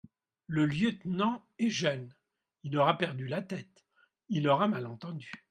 Le lieutenant est jeune ; il aura perdu la tête, il aura mal entendu.